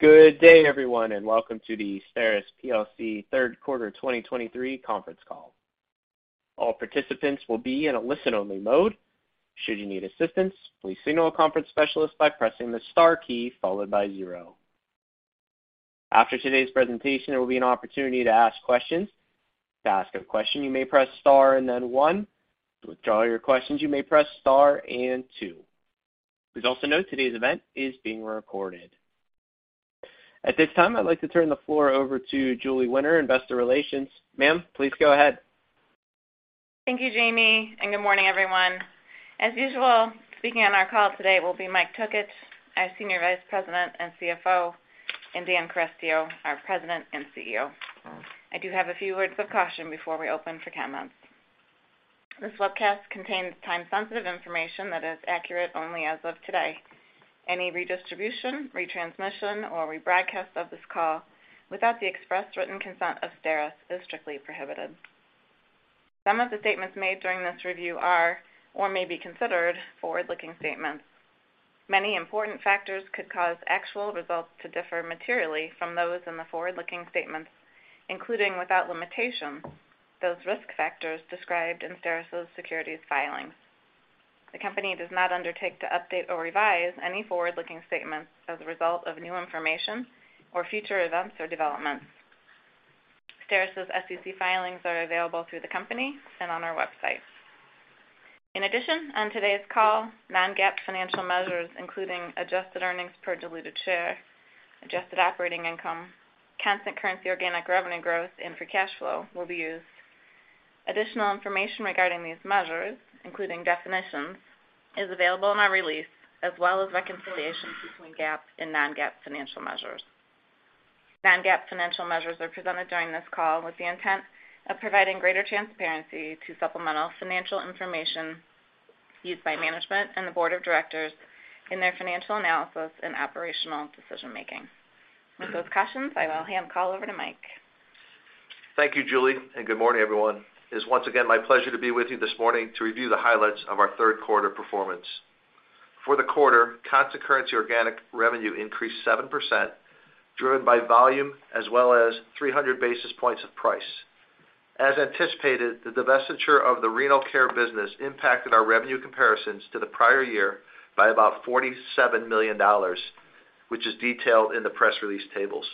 Good day, everyone, and welcome to the STERIS plc third quarter 2023 conference call. All participants will be in a listen-only mode. Should you need assistance, please signal a conference specialist by pressing the star key followed by 0. After today's presentation, there will be an opportunity to ask questions. To ask a question, you may press star, and then 1. To withdraw your questions, you may press star and 2. Please also note today's event is being recorded. At this time, I'd like to turn the floor over to Julie Winter, Investor Relations. Ma'am, please go ahead. Thank you, Jamie. Good morning, everyone. As usual, speaking on our call today will be Mike Tokich, our Senior Vice President and CFO, and Dan Carestio, our President and CEO. I do have a few words of caution before we open for comments. This webcast contains time-sensitive information that is accurate only as of today. Any redistribution, retransmission, or rebroadcast of this call without the express written consent of STERIS is strictly prohibited. Some of the statements made during this review are or may be considered forward-looking statements. Many important factors could cause actual results to differ materially from those in the forward-looking statements, including, without limitation, those risk factors described in STERIS' securities filings. The company does not undertake to update or revise any forward-looking statements as a result of new information or future events or developments. STERIS' SEC filings are available through the company and on our website. On today's call, non-GAAP financial measures, including adjusted earnings per diluted share, adjusted operating income, constant currency organic revenue growth, and free cash flow will be used. Additional information regarding these measures, including definitions, is available in our release, as well as reconciliations between GAAP and non-GAAP financial measures. Non-GAAP financial measures are presented during this call with the intent of providing greater transparency to supplemental financial information used by management and the board of directors in their financial analysis and operational decision-making. With those cautions, I will hand the call over to Mike. Thank you, Julie. Good morning, everyone. It's once again my pleasure to be with you this morning to review the highlights of our third quarter performance. For the quarter, constant currency organic revenue increased 7%, driven by volume as well as 300 basis points of price. As anticipated, the divestiture of the Renal Care business impacted our revenue comparisons to the prior year by about $47 million, which is detailed in the press release tables.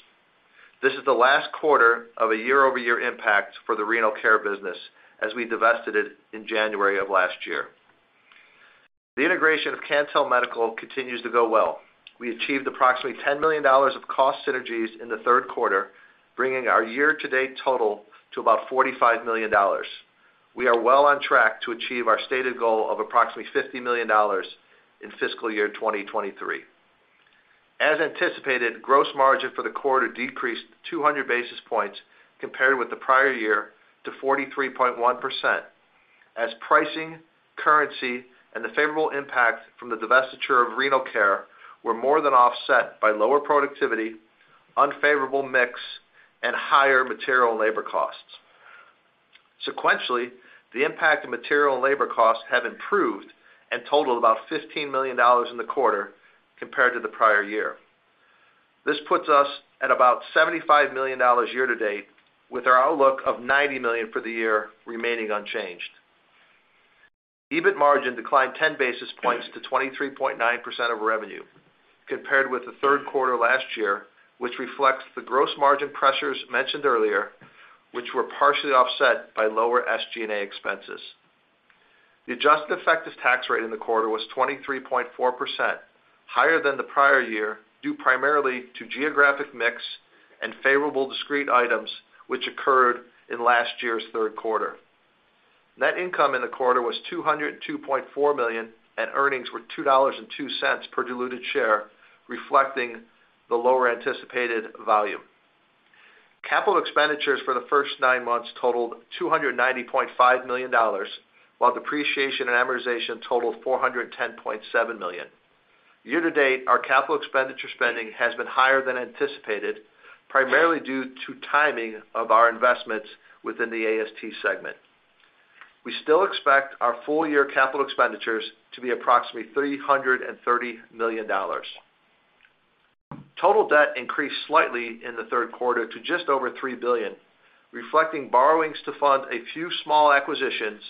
This is the last quarter of a year-over-year impact for the Renal Care business as we divested it in January of last year. The integration of Cantel Medical continues to go well. We achieved approximately $10 million of cost synergies in the third quarter, bringing our year-to-date total to about $45 million. We are well on track to achieve our stated goal of approximately $50 million in fiscal year 2023. As anticipated, gross margin for the quarter decreased 200 basis points compared with the prior year to 43.1% as pricing, currency, and the favorable impact from the divestiture of Renal Care were more than offset by lower productivity, unfavorable mix, and higher material and labor costs. Sequentially, the impact of material and labor costs have improved and totaled about $15 million in the quarter compared to the prior year. This puts us at about $75 million year to date, with our outlook of $90 million for the year remaining unchanged. EBIT margin declined 10 basis points to 23.9% of revenue compared with the third quarter last year, which reflects the gross margin pressures mentioned earlier, which were partially offset by lower SG&A expenses. The adjusted effective tax rate in the quarter was 23.4%, higher than the prior year, due primarily to geographic mix and favorable discrete items which occurred in last year's third quarter. Net income in the quarter was $202.4 million, and earnings were $2.02 per diluted share, reflecting the lower anticipated volume. Capital expenditures for the first nine months totaled $290.5 million, while depreciation and amortization totaled $410.7 million. Year to date, our capital expenditure spending has been higher than anticipated, primarily due to timing of our investments within the AST segment. We still expect our full year capital expenditures to be approximately $330 million. Total debt increased slightly in the third quarter to just over $3 billion, reflecting borrowings to fund a few small acquisitions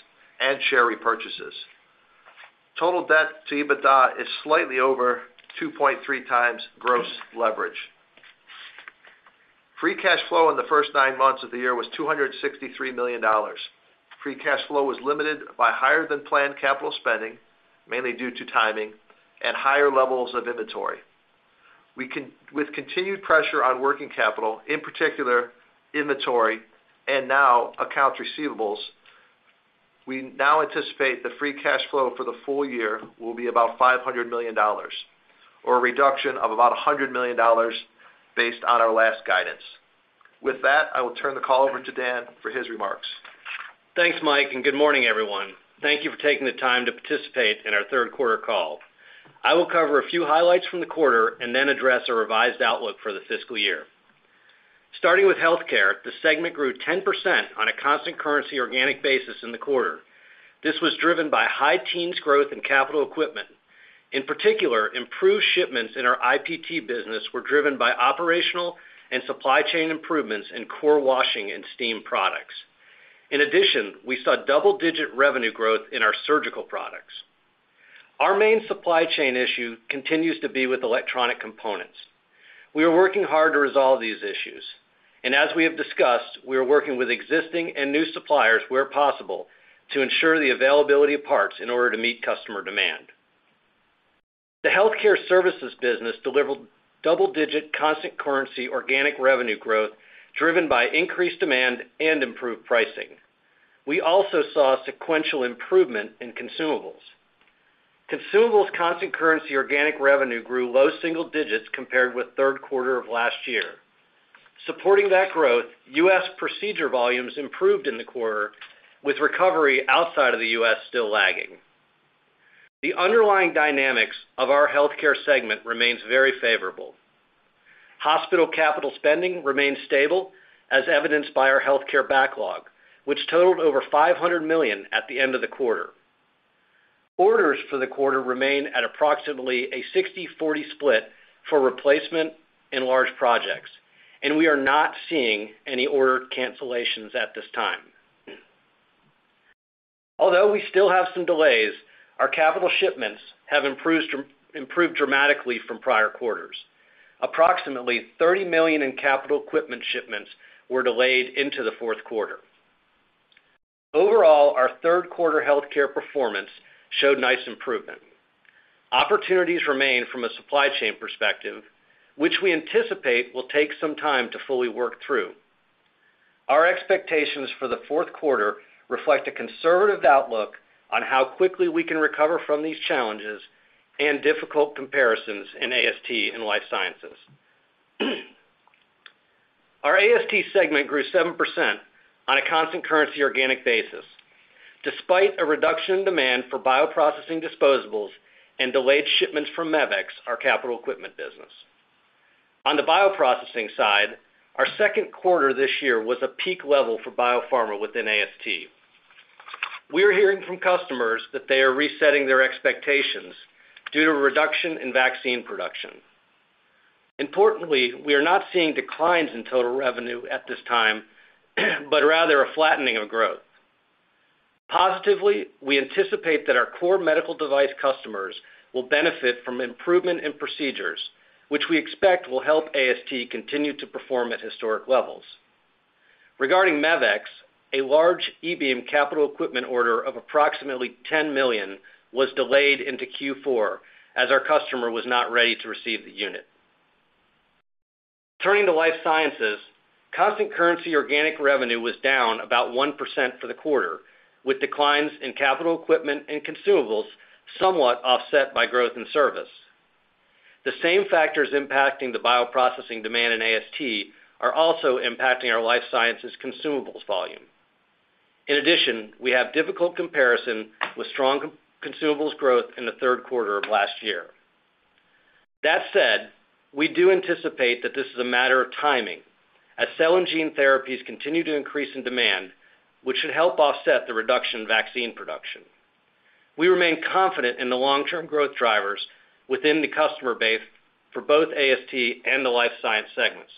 and share repurchases. Total debt to EBITDA is slightly over 2.3 times gross leverage. Free cash flow in the first nine months of the year was $263 million. Free cash flow was limited by higher-than-planned capital spending, mainly due to timing and higher levels of inventory. With continued pressure on working capital, in particular inventory and now account receivables, we now anticipate the free cash flow for the full year will be about $500 million, or a reduction of about $100 million based on our last guidance. With that, I will turn the call over to Dan for his remarks. Thanks, Mike, and good morning, everyone. Thank you for taking the time to participate in our third quarter call. I will cover a few highlights from the quarter and then address a revised outlook for the fiscal year. Starting with healthcare, the segment grew 10% on a constant currency organic basis in the quarter. This was driven by high teens growth in capital equipment. In particular, improved shipments in our IPT business were driven by operational and supply chain improvements in core washing and steam products. We saw double-digit revenue growth in our surgical products. Our main supply chain issue continues to be with electronic components. We are working hard to resolve these issues. As we have discussed, we are working with existing and new suppliers where possible to ensure the availability of parts in order to meet customer demand. The healthcare services business delivered double-digit constant currency organic revenue growth, driven by increased demand and improved pricing. We also saw sequential improvement in consumables. Consumables constant currency organic revenue grew low single digits compared with third quarter of last year. Supporting that growth, U.S. procedure volumes improved in the quarter, with recovery outside of the U.S. still lagging. The underlying dynamics of our healthcare segment remains very favorable. Hospital capital spending remains stable, as evidenced by our healthcare backlog, which totaled over $500 million at the end of the quarter. Orders for the quarter remain at approximately a 60-40 split for replacement and large projects, and we are not seeing any order cancellations at this time. Although we still have some delays, our capital shipments have improved dramatically from prior quarters. Approximately $30 million in capital equipment shipments were delayed into the fourth quarter. Overall, our third quarter healthcare performance showed nice improvement. Opportunities remain from a supply chain perspective, which we anticipate will take some time to fully work through. Our expectations for the 4th quarter reflect a conservative outlook on how quickly we can recover from these challenges and difficult comparisons in AST and life sciences. Our AST segment grew 7% on a constant currency organic basis, despite a reduction in demand for bioprocessing disposables and delayed shipments from MEVEX, our capital equipment business. On the bioprocessing side, our 2nd quarter this year was a peak level for biopharma within AST. We are hearing from customers that they are resetting their expectations due to reduction in vaccine production. Importantly, we are not seeing declines in total revenue at this time, but rather a flattening of growth. Positively, we anticipate that our core medical device customers will benefit from improvement in procedures, which we expect will help AST continue to perform at historic levels. Regarding MEVEX, a large E-beam capital equipment order of approximately $10 million was delayed into Q4 as our customer was not ready to receive the unit. Turning to life sciences, constant currency organic revenue was down about 1% for the quarter, with declines in capital equipment and consumables somewhat offset by growth in service. The same factors impacting the bioprocessing demand in AST are also impacting our life sciences consumables volume. In addition, we have difficult comparison with strong consumables growth in the third quarter of last year. That said, we do anticipate that this is a matter of timing as cell and gene therapies continue to increase in demand, which should help offset the reduction in vaccine production. We remain confident in the long-term growth drivers within the customer base for both AST and the life sciences segments.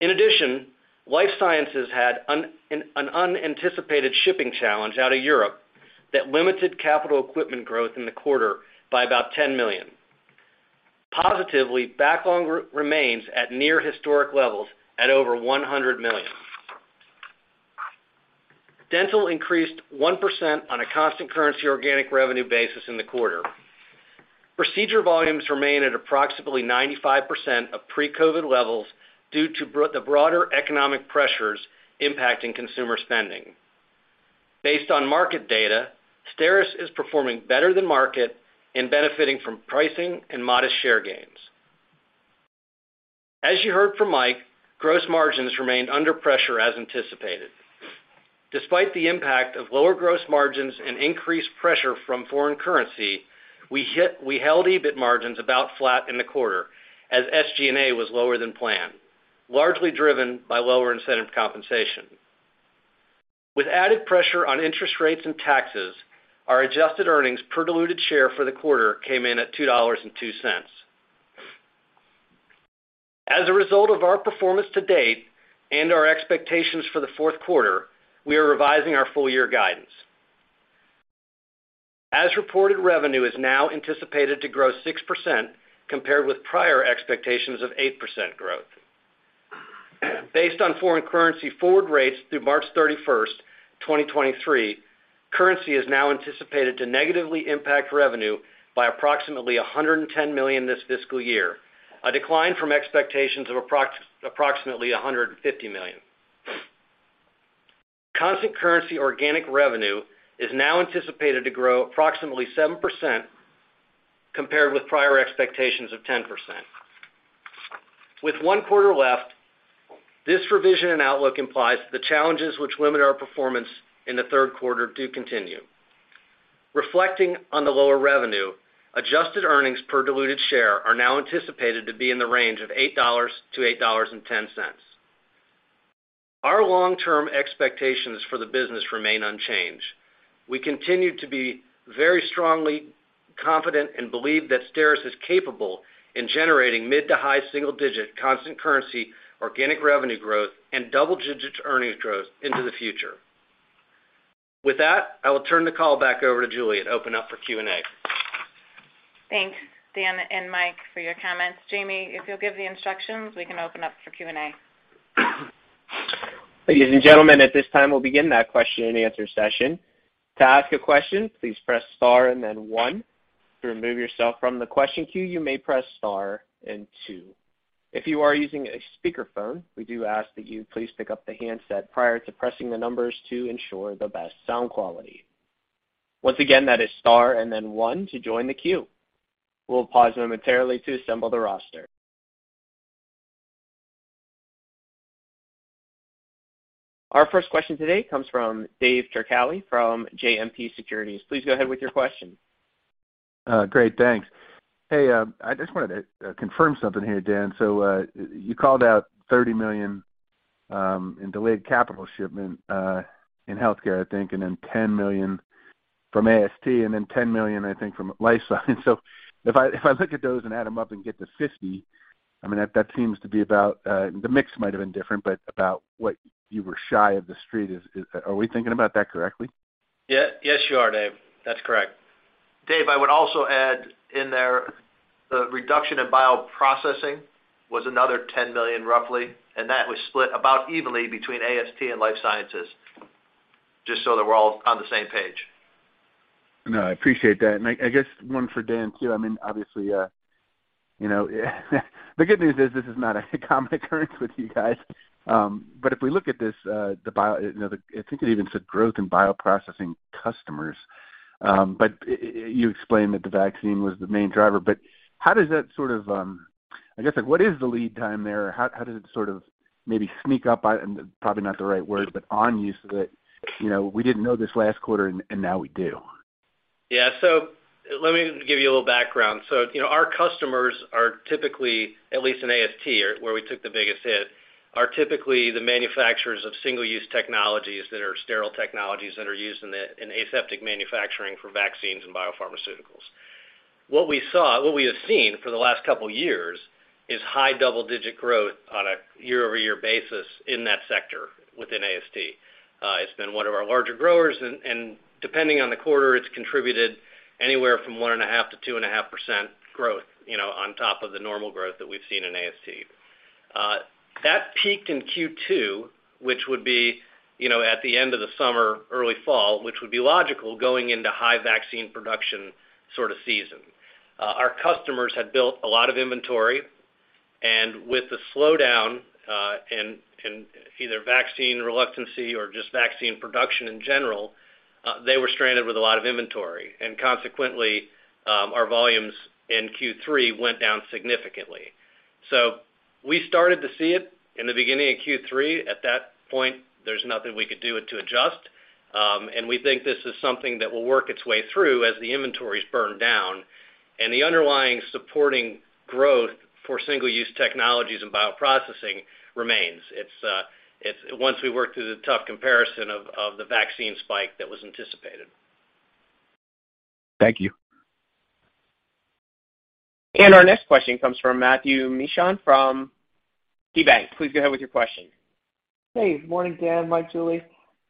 In addition, life sciences had an unanticipated shipping challenge out of Europe that limited capital equipment growth in the quarter by about $10 million. Positively, backlog remains at near historic levels at over $100 million. Dental increased 1% on a constant currency organic revenue basis in the quarter. Procedure volumes remain at approximately 95% of pre-COVID levels due to the broader economic pressures impacting consumer spending. Based on market data, STERIS is performing better than market and benefiting from pricing and modest share gains. As you heard from Mike, gross margins remained under pressure as anticipated. Despite the impact of lower gross margins and increased pressure from foreign currency, we held EBIT margins about flat in the quarter as SG&A was lower than planned, largely driven by lower incentive compensation. With added pressure on interest rates and taxes, our adjusted earnings per diluted share for the quarter came in at $2.02. A result of our performance to date and our expectations for the fourth quarter, we are revising our full year guidance. Reported, revenue is now anticipated to grow 6% compared with prior expectations of 8% growth. Based on foreign currency forward rates through March 31st, 2023, currency is now anticipated to negatively impact revenue by approximately $110 million this fiscal year, a decline from expectations of approximately $150 million. Constant currency organic revenue is now anticipated to grow approximately 7% compared with prior expectations of 10%. With one quarter left. This revision and outlook implies the challenges which limit our performance in the third quarter do continue. Reflecting on the lower revenue, adjusted earnings per diluted share are now anticipated to be in the range of $8-$8.10. Our long-term expectations for the business remain unchanged. We continue to be very strongly confident and believe that STERIS is capable in generating mid to high single digit constant currency, organic revenue growth, and double-digit earnings growth into the future. With that, I will turn the call back over to Julie to open up for Q&A. Thanks, Dan and Mike, for your comments. Jamie, if you'll give the instructions, we can open up for Q&A. Ladies and gentlemen, at this time, we'll begin that question and answer session. To ask a question, please press star and then one. To remove yourself from the question queue, you may press star and two. If you are using a speakerphone, we do ask that you please pick up the handset prior to pressing the numbers to ensure the best sound quality. Once again, that is star and then one to join the queue. We'll pause momentarily to assemble the roster. Our first question today comes from Dave Turkaly from JMP Securities. Please go ahead with your question. Great, thanks. Hey, I just wanted to confirm something here, Dan. You called out $30 million in delayed capital shipment in healthcare, I think, and then $10 million from AST, and then $10 million, I think, from life science. If I, if I look at those and add them up and get to 50, I mean, that seems to be about the mix might have been different, but about what you were shy of the Street. Are we thinking about that correctly? Yes, you are, Dave. That's correct. Dave, I would also add in there the reduction in bioprocessing was another $10 million, roughly, and that was split about evenly between AST and life sciences, just so that we're all on the same page. No, I appreciate that. I guess one for Dan, too. I mean, obviously, you know, the good news is this is not a common occurrence with you guys. If we look at this, the bio, you know, the I think it even said growth in bioprocessing customers. You explained that the vaccine was the main driver. How does that sort of, I guess, like, what is the lead time there? How does it sort of maybe sneak up on probably not the right word, but on you so that, you know, we didn't know this last quarter and now we do? Let me give you a little background. You know, our customers are typically, at least in AST, where we took the biggest hit, are typically the manufacturers of single-use technologies that are sterile technologies that are used in the aseptic manufacturing for vaccines and biopharmaceuticals. What we have seen for the last couple years is high double-digit growth on a year-over-year basis in that sector within AST. It's been one of our larger growers and, depending on the quarter, it's contributed anywhere from 1.5%-2.5% growth, you know, on top of the normal growth that we've seen in AST. That peaked in Q2, which would be, you know, at the end of the summer, early fall, which would be logical going into high vaccine production sort of season. Our customers had built a lot of inventory, with the slowdown in either vaccine reluctancy or just vaccine production in general, they were stranded with a lot of inventory. Consequently, our volumes in Q3 went down significantly. We started to see it in the beginning of Q3. At that point, there's nothing we could do to adjust. We think this is something that will work its way through as the inventory's burned down. The underlying supporting growth for single-use technologies and bioprocessing remains. It's once we work through the tough comparison of the vaccine spike that was anticipated. Thank you. Our next question comes from Matthew Mishan from KeyBanc Capital Markets. Please go ahead with your question. Hey, morning, Dan. Mike, Julie.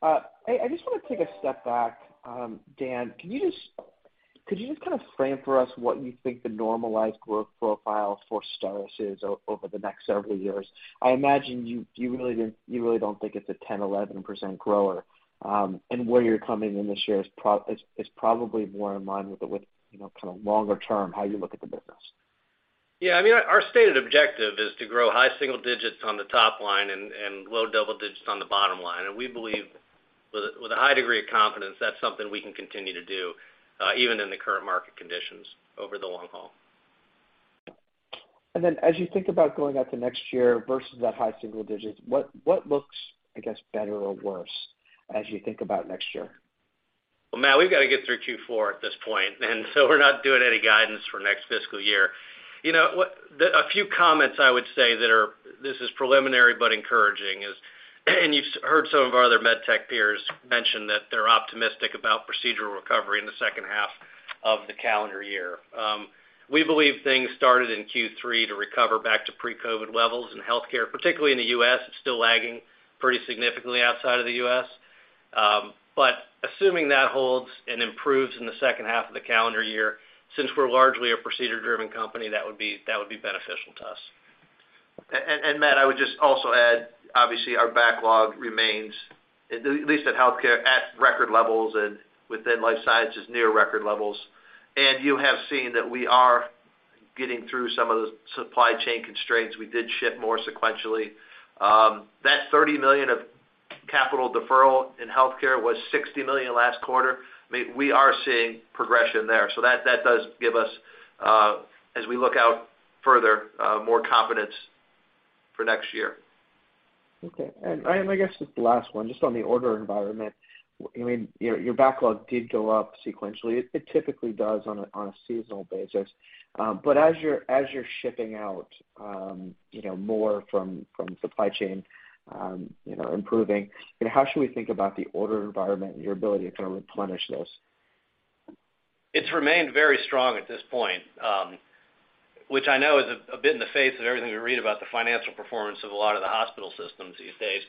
I just wanna take a step back. Dan, could you just kind of frame for us what you think the normalized growth profile for STERIS is over the next several years? I imagine you really don't think it's a 10%, 11% grower, and where you're coming in this year is probably more in line with the, you know, kind of longer term, how you look at the business. Yeah. I mean, our stated objective is to grow high single digits on the top line and low double digits on the bottom line. We believe with a high degree of confidence, that's something we can continue to do, even in the current market conditions over the long haul. Then as you think about going out to next year versus that high single digits, what looks, I guess, better or worse as you think about next year? Well, Matt, we've got to get through Q4 at this point. We're not doing any guidance for next fiscal year. You know, a few comments I would say that are, this is preliminary but encouraging is, you've heard some of our other medtech peers mention that they're optimistic about procedural recovery in the second half of the calendar year. We believe things started in Q3 to recover back to pre-COVID levels in healthcare, particularly in the US. It's still lagging pretty significantly outside of the US. Assuming that holds and improves in the second half of the calendar year, since we're largely a procedure-driven company, that would be beneficial to us. Matt, I would just also add, obviously our backlog remains, at least at healthcare, at record levels and within life sciences, near record levels. You have seen that we are getting through some of the supply chain constraints. We did ship more sequentially. That $30 million of capital deferral in healthcare was $60 million last quarter. I mean, we are seeing progression there. That, that does give us, as we look out further, more confidence for next year. Okay. I guess just the last one, just on the order environment. I mean, your backlog did go up sequentially. It typically does on a seasonal basis. As you're shipping out, you know, more from supply chain, you know, improving, you know, how should we think about the order environment and your ability to kind of replenish those? It's remained very strong at this point, which I know is a bit in the face of everything we read about the financial performance of a lot of the hospital systems these days.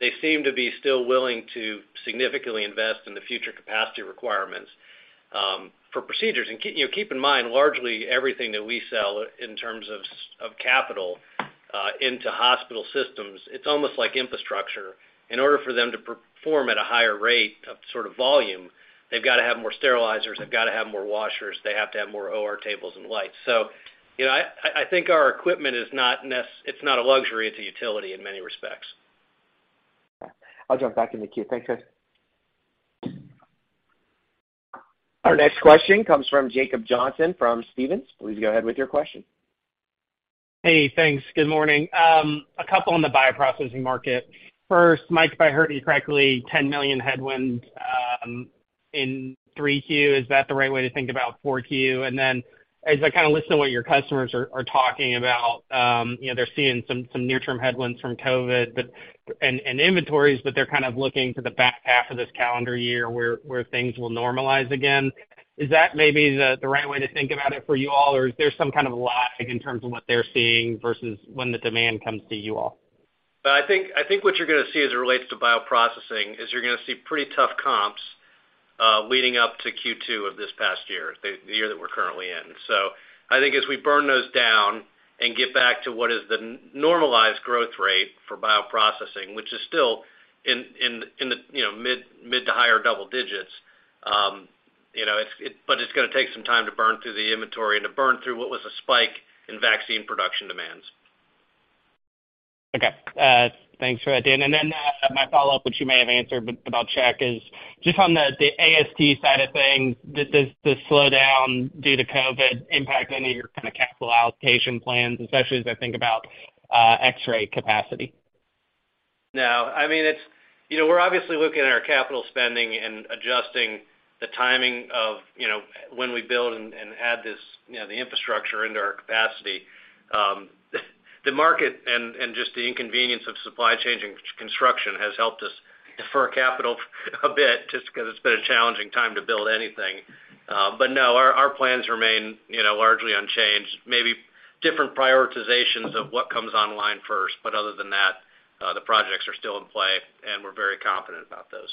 They seem to be still willing to significantly invest in the future capacity requirements for procedures. You know, keep in mind, largely everything that we sell in terms of of capital into hospital systems, it's almost like infrastructure. In order for them to perform at a higher rate of sort of volume, they've got to have more sterilizers, they've got to have more washers, they have to have more OR tables and lights. You know, I think our equipment is not it's not a luxury, it's a utility in many respects. I'll jump back in the queue. Thank you. Our next question comes from Jacob Johnson from Stephens. Please go ahead with your question. Hey, thanks. Good morning. A couple on the bioprocessing market. First, Mike, if I heard you correctly, $10 million headwinds, in 3Q, is that the right way to think about 4Q? As I kind of listen to what your customers are talking about, you know, they're seeing some near-term headwinds from COVID, and inventories, but they're kind of looking to the back half of this calendar year where things will normalize again. Is that maybe the right way to think about it for you all, or is there some kind of lag in terms of what they're seeing versus when the demand comes to you all? I think what you're going to see as it relates to bioprocessing is you're going to see pretty tough comps leading up to Q2 of this past year, the year that we're currently in. I think as we burn those down and get back to what is the normalized growth rate for bioprocessing, which is still in the, you know, mid to higher double digits, you know, it's, but it's going to take some time to burn through the inventory and to burn through what was a spike in vaccine production demands. Okay. Thanks for that, Dan. My follow-up, which you may have answered, but I'll check, is just on the AST side of things, does this slowdown due to COVID impact any of your kind of capital allocation plans, especially as I think about X-ray capacity? No. I mean, it's, you know, we're obviously looking at our capital spending and adjusting the timing of, you know, when we build and add this, you know, the infrastructure into our capacity. The market and just the inconvenience of supply chain and construction has helped us defer capital a bit just because it's been a challenging time to build anything. No, our plans remain, you know, largely unchanged. Maybe different prioritizations of what comes online first, but other than that, the projects are still in play, and we're very confident about those.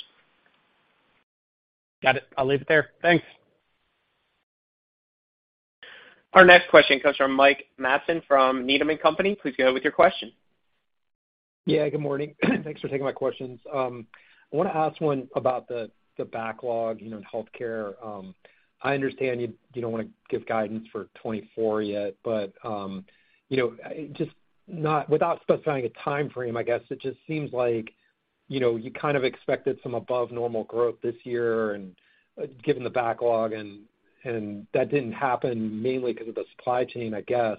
Got it. I'll leave it there. Thanks. Our next question comes from Mike Matson from Needham & Company. Please go with your question. Yeah, good morning. Thanks for taking my questions. I want to ask one about the backlog, you know, in healthcare. I understand you don't want to give guidance for 2024 yet, but, you know, without specifying a timeframe, I guess it just seems like, you know, you kind of expected some above normal growth this year and given the backlog and that didn't happen mainly because of the supply chain, I guess.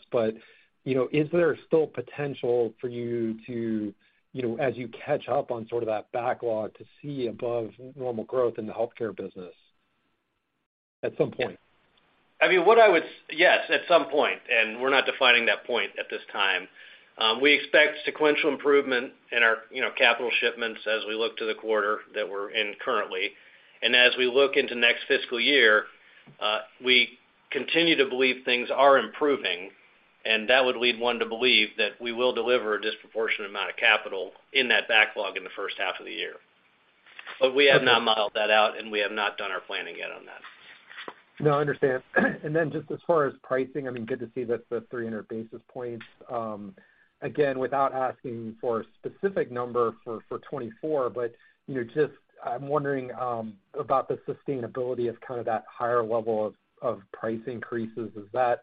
You know, is there still potential for you to, you know, as you catch up on sort of that backlog to see above normal growth in the healthcare business at some point? I mean, what I would yes, at some point, we're not defining that point at this time. We expect sequential improvement in our, you know, capital shipments as we look to the quarter that we're in currently. As we look into next fiscal year, we continue to believe things are improving, and that would lead one to believe that we will deliver a disproportionate amount of capital in that backlog in the first half of the year. We have not modeled that out, and we have not done our planning yet on that. No, I understand. Just as far as pricing, I mean, good to see that the 300 basis points, again, without asking for a specific number for 2024, but, you know, just I'm wondering about the sustainability of kind of that higher level of price increases. Is that,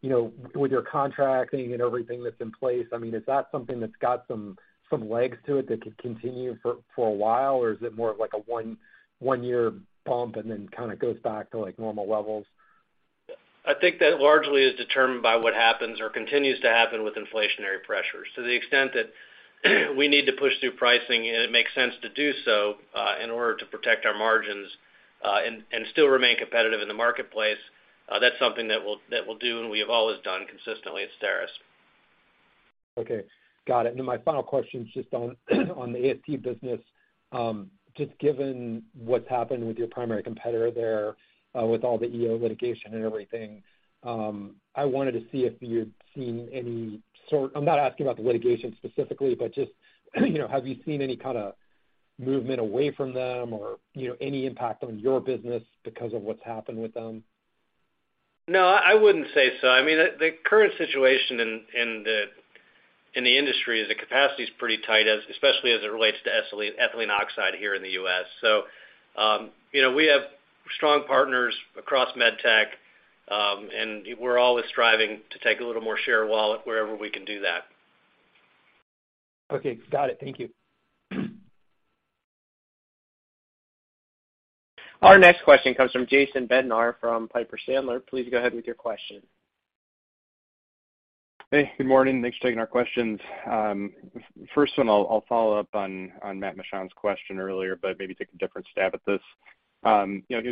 you know, with your contracting and everything that's in place, I mean, is that something that's got some legs to it that could continue for a while, or is it more of like a 1-year bump and then kind of goes back to, like, normal levels? I think that largely is determined by what happens or continues to happen with inflationary pressures. To the extent that we need to push through pricing and it makes sense to do so, in order to protect our margins, and still remain competitive in the marketplace, that's something that we'll do and we have always done consistently at STERIS. Okay, got it. My final question is just on the AST business. Just given what's happened with your primary competitor there, with all the EO litigation and everything, I wanted to see if you'd seen any sort, I'm not asking about the litigation specifically, but just, you know, have you seen any kind of movement away from them or, you know, any impact on your business because of what's happened with them? No, I wouldn't say so. I mean, the current situation in the, in the industry is the capacity is pretty tight, especially as it relates to ethylene oxide here in the U.S. You know, we have strong partners across med tech. We're always striving to take a little more share wallet wherever we can do that. Okay. Got it. Thank you. Our next question comes from Jason Bednar from Piper Sandler. Please go ahead with your question. Hey, good morning. Thanks for taking our questions. First one, I'll follow up on Matt Mishan's question earlier, but maybe take a different stab at this. You know,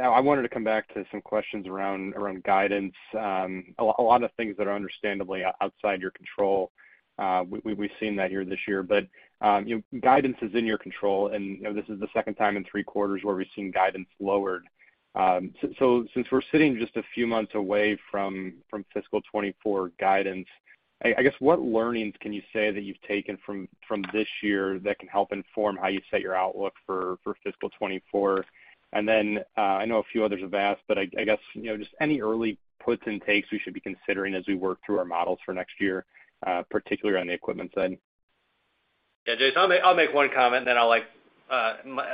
I wanted to come back to some questions around guidance. A lot of things that are understandably outside your control. We've seen that here this year, but, you know, guidance is in your control, and, you know, this is the second time in 3 quarters where we've seen guidance lowered. Since we're sitting just a few months away from fiscal 2024 guidance, I guess, what learnings can you say that you've taken from this year that can help inform how you set your outlook for fiscal 2024? I know a few others have asked, but I guess, you know, just any early puts and takes we should be considering as we work through our models for next year, particularly on the equipment side. Yeah, Jason, I'll make one comment, and then I'll, like,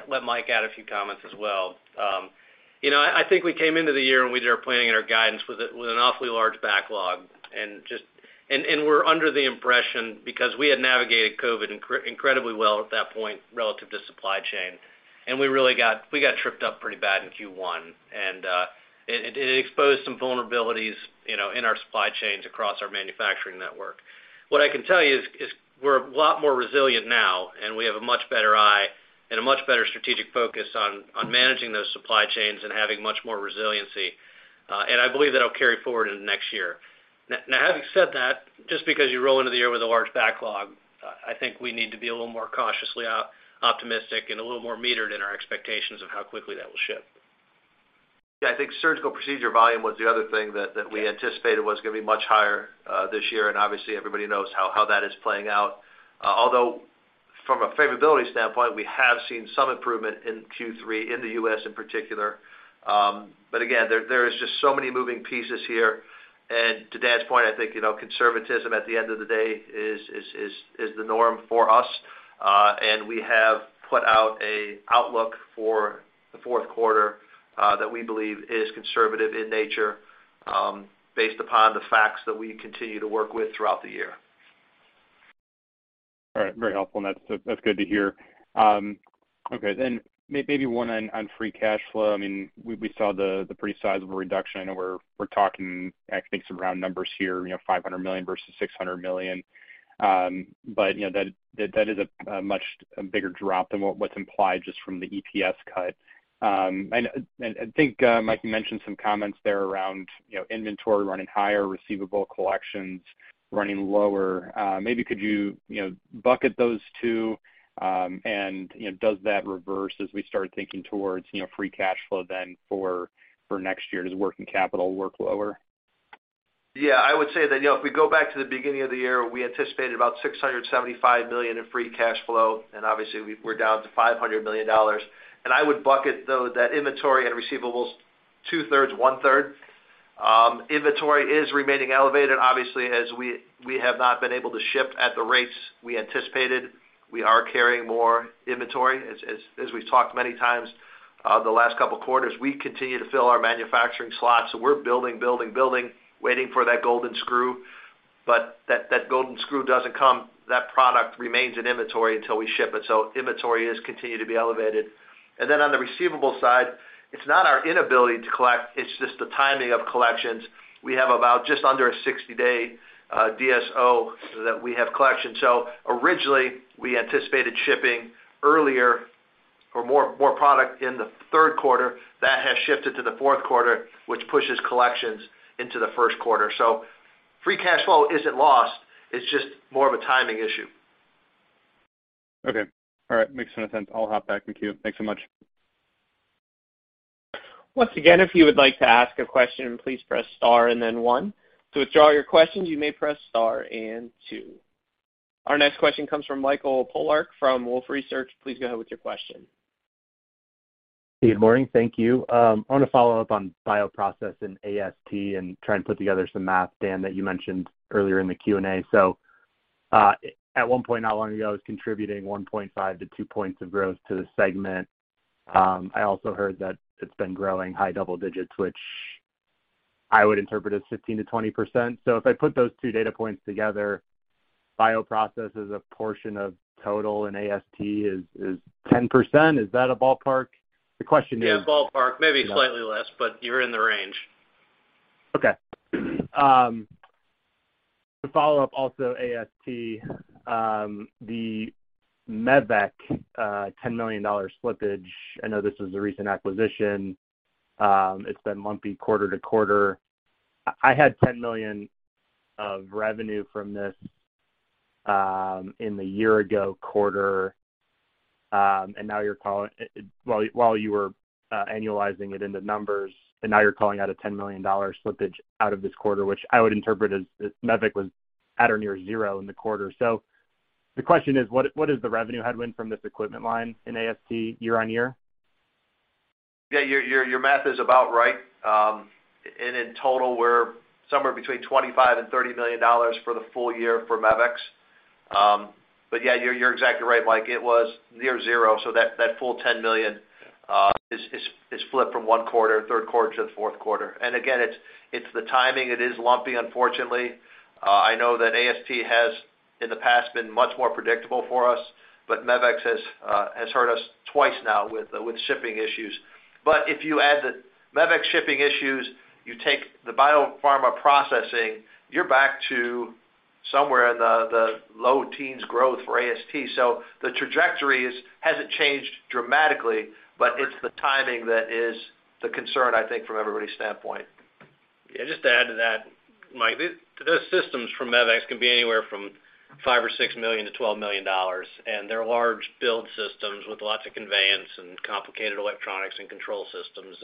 let Mike add a few comments as well. You know, I think we came into the year when we did our planning and our guidance with an awfully large backlog and just. We're under the impression because we had navigated COVID incredibly well at that point relative to supply chain, and we really got tripped up pretty bad in Q1. It exposed some vulnerabilities, you know, in our supply chains across our manufacturing network. What I can tell you is we're a lot more resilient now, and we have a much better eye and a much better strategic focus on managing those supply chains and having much more resiliency. I believe that'll carry forward into next year. Now, having said that, just because you roll into the year with a large backlog, I think we need to be a little more cautiously optimistic and a little more metered in our expectations of how quickly that will ship. Yeah. I think surgical procedure volume was the other thing that we anticipated was gonna be much higher this year, and obviously everybody knows how that is playing out. Although from a favorability standpoint, we have seen some improvement in Q3 in the U.S. in particular. Again, there is just so many moving pieces here. To Dan's point, I think, you know, conservatism at the end of the day is the norm for us. We have put out a outlook for the fourth quarter that we believe is conservative in nature based upon the facts that we continue to work with throughout the year. All right. Very helpful, and that's good to hear. Okay. Maybe one on free cash flow. I mean, we saw the pretty sizable reduction. I know we're talking, I think some round numbers here, you know, $500 million versus $600 million. You know, that is a much, a bigger drop than what's implied just from the EPS cut. I think, Mike, you mentioned some comments there around, you know, inventory running higher, receivable collections running lower. Maybe could you know, bucket those two, you know, does that reverse as we start thinking towards, you know, free cash flow then for next year? Does working capital work lower? Yeah. I would say that, you know, if we go back to the beginning of the year, we anticipated about $675 million in free cash flow, obviously we're down to $500 million. I would bucket though that inventory and receivables 2/3, 1/3. Inventory is remaining elevated. Obviously, as we have not been able to ship at the rates we anticipated, we are carrying more inventory. As we've talked many times, the last couple of quarters, we continue to fill our manufacturing slots, so we're building, waiting for that golden screw. That golden screw doesn't come, that product remains in inventory until we ship it. Inventory is continued to be elevated. On the receivable side, it's not our inability to collect, it's just the timing of collections. We have about just under a 60-day, DSO that we have collection. Originally, we anticipated shipping earlier or more product in the 3rd quarter. That has shifted to the 4th quarter, which pushes collections into the 1st quarter. Free cash flow isn't lost. It's just more of a timing issue. Okay. All right. Makes a lot of sense. I'll hop back in queue. Thanks so much. Once again, if you would like to ask a question, please press star and then 1. To withdraw your questions, you may press star and 2. Our next question comes from Michael Polark from Wolfe Research. Please go ahead with your question. Good morning. Thank you. I want to follow up on bioprocess and AST and try and put together some math, Dan, that you mentioned earlier in the Q&A. At one point not long ago, it was contributing 1.5-2 points of growth to the segment. I also heard that it's been growing high double digits, which I would interpret as 15%-20%. If I put those two data points together, bioprocess is a portion of total and AST is 10%. Is that a ballpark? Ballpark. Maybe slightly less, but you're in the range. Okay. To follow up also AST, the MEVEX $10 million slippage, I know this is a recent acquisition. It's been lumpy quarter to quarter. I had $10 million of revenue from this in the year ago quarter. Now you were annualizing it in the numbers, and now you're calling out a $10 million slippage out of this quarter, which I would interpret as MEVEX was at or near zero in the quarter. The question is, what is the revenue headwind from this equipment line in AST year-on-year? Yeah. Your math is about right. In total, we're somewhere between 25 and $30 million for the full year for MEVEX. Yeah, you're exactly right, Mike. It was near zero, that full $10 million is flipped from one quarter, third quarter to the fourth quarter. Again, it's the timing. It is lumpy, unfortunately. I know that AST has, in the past, been much more predictable for us, MEVEX has hurt us twice now with shipping issues. If you add the MEVEX shipping issues, you take the bioprocessing, you're back to somewhere in the low teens growth for AST. The trajectory hasn't changed dramatically, but it's the timing that is the concern, I think, from everybody's standpoint. Yeah, just to add to that, Mike, those systems from MEVEX can be anywhere from $5 million or $6 million-$12 million, and they're large build systems with lots of conveyance and complicated electronics and control systems.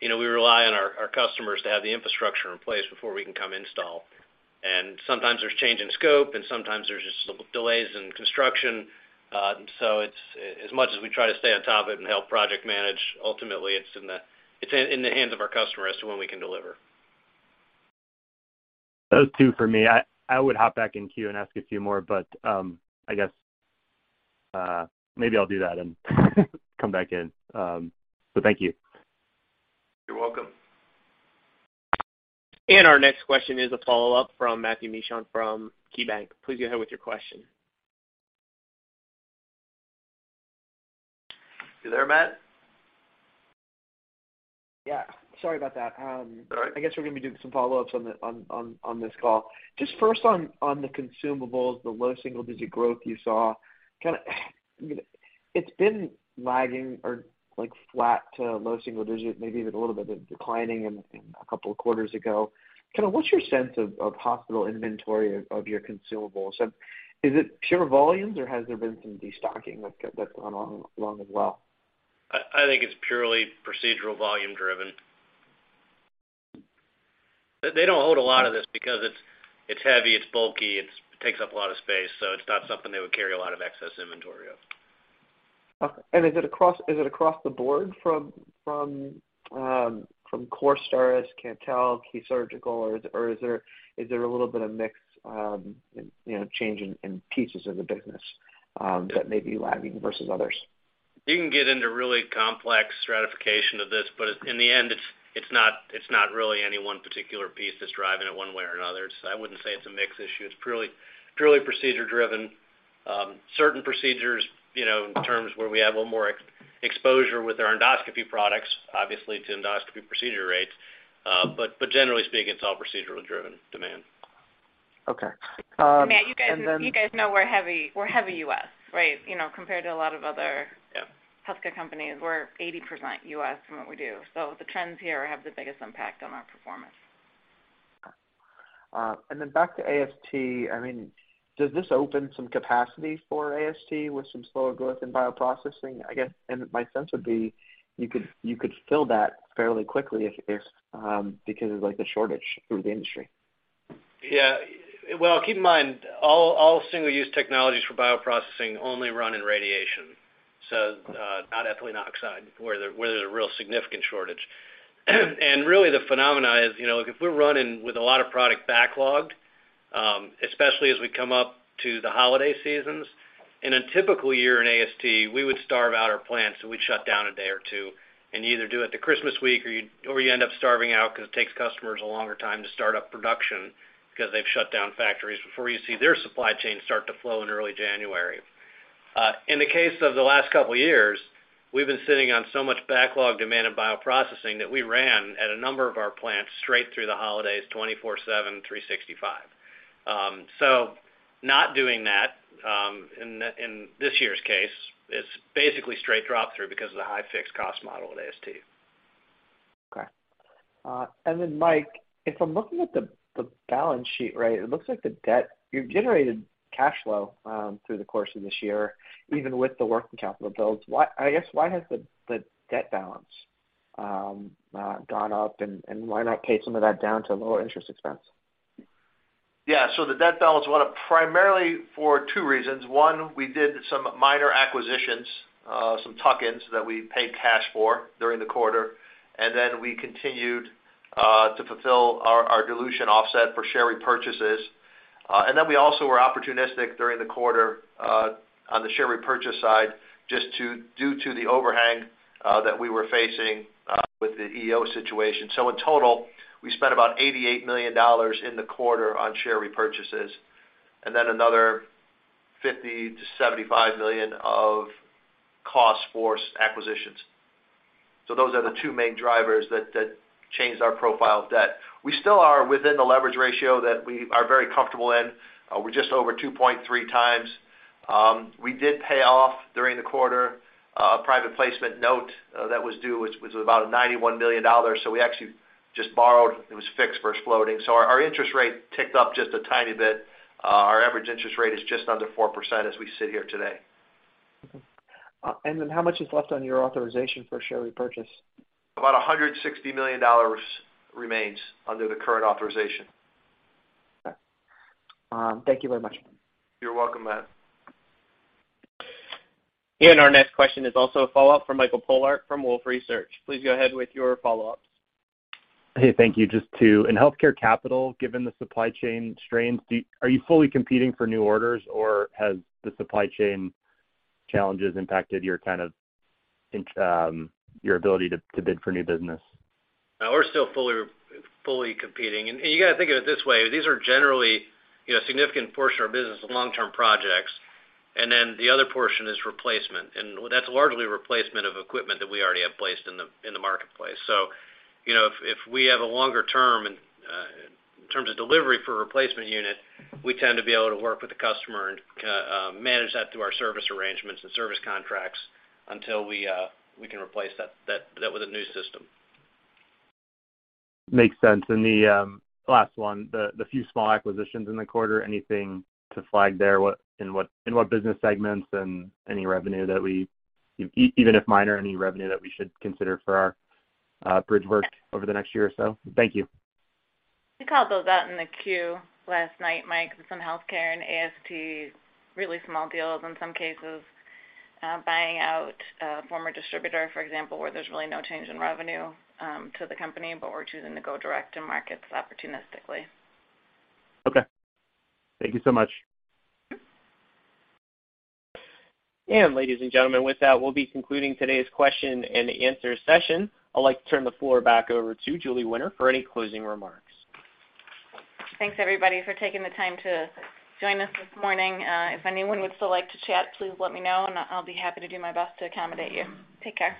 You know, we rely on our customers to have the infrastructure in place before we can come install. Sometimes there's change in scope, and sometimes there's just little delays in construction. As much as we try to stay on top of it and help project manage, ultimately, it's in the hands of our customer as to when we can deliver. Those two for me. I would hop back in queue and ask a few more, but, I guess, maybe I'll do that and come back in. Thank you. You're welcome. Our next question is a follow-up from Matthew Mishan from KeyBanc. Please go ahead with your question. You there, Matt? Yeah, sorry about that. It's all right. I guess we're gonna be doing some follow-ups on this call. Just first on the consumables, the low single digit growth you saw. It's been lagging or, like, flat to low single digit, maybe even a little bit declining in a couple of quarters ago. What's your sense of hospital inventory of your consumables? Is it pure volumes, or has there been some de-stocking that's gone on as well? I think it's purely procedural volume driven. They don't hold a lot of this because it's heavy, it's bulky, it's takes up a lot of space, it's not something they would carry a lot of excess inventory of. Okay. Is it across the board from CoreStar, as Cantel, Key Surgical, or is there a little bit of mix, you know, change in pieces of the business that may be lagging versus others? You can get into really complex stratification of this, but in the end, it's not really any one particular piece that's driving it one way or another. It's. I wouldn't say it's a mix issue. It's purely procedure driven. Certain procedures, you know, in terms where we have a little more exposure with our endoscopy products, obviously to endoscopy procedure rates. Generally speaking, it's all procedurally driven demand. Okay. Matt, you guys know we're heavy U.S., right? You know, compared to a lot of other. Yep. -healthcare companies, we're 80% U.S. in what we do. The trends here have the biggest impact on our performance. Back to AST, I mean, does this open some capacity for AST with some slower growth in bioprocessing? I guess, my sense would be you could fill that fairly quickly if because of, like, the shortage through the industry. Well, keep in mind, all single-use technologies for bioprocessing only run in radiation. Not ethylene oxide, where there's a real significant shortage. Really the phenomena is, you know, if we're running with a lot of product backlogged, especially as we come up to the holiday seasons, in a typical year in AST, we would starve out our plants, and we'd shut down a day or two and either do it the Christmas week, or you end up starving out because it takes customers a longer time to start up production because they've shut down factories before you see their supply chain start to flow in early January. In the case of the last couple of years, we've been sitting on so much backlog demand in bioprocessing that we ran at a number of our plants straight through the holidays, 24/7, 365. Not doing that, in this year's case is basically straight drop through because of the high fixed cost model at AST. Okay. Mike, if I'm looking at the balance sheet, right, it looks like the debt... You've generated cash flow, through the course of this year, even with the working capital builds. I guess, why has the debt balance gone up, and why not pay some of that down to lower interest expense? Yeah. The debt balance went up primarily for two reasons. One, we did some minor acquisitions, some tuck-ins that we paid cash for during the quarter, and then we continued to fulfill our dilution offset for share repurchases. We also were opportunistic during the quarter on the share repurchase side, just due to the overhang that we were facing with the EO situation. In total, we spent about $88 million in the quarter on share repurchases, and then another $50 million-$75 million of cost force acquisitions. Those are the two main drivers that changed our profile of debt. We still are within the leverage ratio that we are very comfortable in. We're just over 2.3 times. We did pay off during the quarter a private placement note that was due, which was about $91 million, so we actually just borrowed. It was fixed versus floating. Our interest rate ticked up just a tiny bit. Our average interest rate is just under 4% as we sit here today. Okay. Then how much is left on your authorization for share repurchase? About $160 million remains under the current authorization. Okay. Thank you very much. You're welcome, Matt. Our next question is also a follow-up from Michael Polark from Wolfe Research. Please go ahead with your follow-ups. Hey, thank you. Just to In Healthcare Capital, given the supply chain strains, are you fully competing for new orders, or has the supply chain challenges impacted your kind of your ability to bid for new business? We're still fully competing. You gotta think of it this way. These are generally, you know, a significant portion of our business is long-term projects, and then the other portion is replacement. That's largely replacement of equipment that we already have placed in the marketplace. You know, if we have a longer term in terms of delivery for a replacement unit, we tend to be able to work with the customer and manage that through our service arrangements and service contracts until we can replace that with a new system. Makes sense. The last one, the few small acquisitions in the quarter, anything to flag there? In what business segments and any revenue that we even if minor, any revenue that we should consider for our bridge work over the next year or so? Thank you. We called those out in the queue last night, Mike. Some healthcare and AST, really small deals in some cases. Buying out a former distributor, for example, where there's really no change in revenue to the company, but we're choosing to go direct to markets opportunistically. Okay. Thank you so much. Ladies and gentlemen, with that, we'll be concluding today's question and answer session. I'd like to turn the floor back over to Julie Winter for any closing remarks. Thanks, everybody, for taking the time to join us this morning. If anyone would still like to chat, please let me know, and I'll be happy to do my best to accommodate you. Take care.